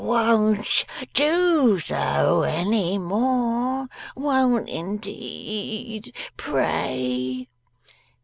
'Won't do so any more. Won't indeed. Pray!